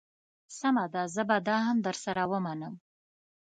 سمه ده زه به دا هم در سره ومنم.